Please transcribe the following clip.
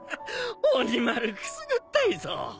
オニ丸くすぐったいぞ。